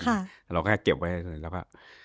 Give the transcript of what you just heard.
เราก็แค่เก็บไว้แล้วก็